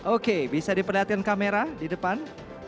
oke bisa diperlihatkan kamera di depan